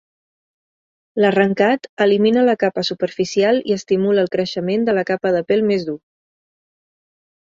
L'arrencat elimina la capa superficial i estimula el creixement de la capa de pèl més dur.